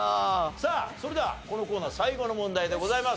さあそれではこのコーナー最後の問題でございます。